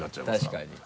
確かに。